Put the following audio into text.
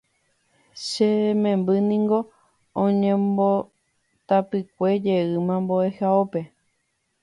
che memby ningo oñembotapykue jeýma mbo'ehaópe.